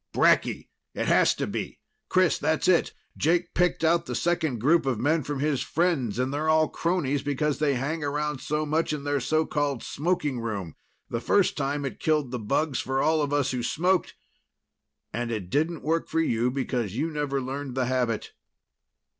"Bracky it has to be! Chris, that's it. Jake picked out the second group of men from his friends and they are all cronies because they hang around so much in their so called smoking room. The first time, it killed the bugs for all of us who smoked and it didn't work for you because you never learned the habit."